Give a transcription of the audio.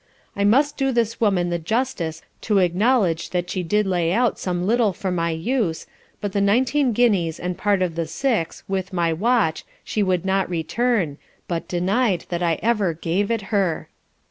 I must do this woman the justice to acknowledge that she did lay out some little for my use, but the 19 guineas and part of the 6, with my watch, she would not return, but denied that I ever gave it her.